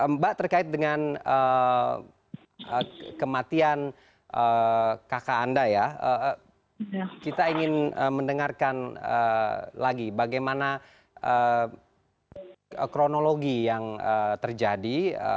mbak terkait dengan kematian kakak anda ya kita ingin mendengarkan lagi bagaimana kronologi yang terjadi